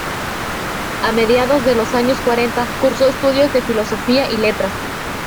A mediados de los años cuarenta cursó estudios de Filosofía y Letras.